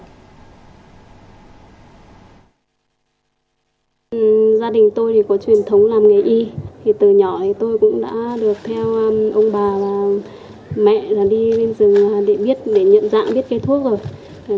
gia đình tôi có truyền thống làm nghề y từ nhỏ tôi cũng đã được theo ông bà và mẹ đi bên rừng để nhận dạng biết cây thuốc rồi